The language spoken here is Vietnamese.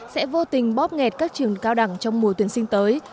sẽ vô tình bóp nghẹt các trường cao đẳng trong mùa tuyển sinh tới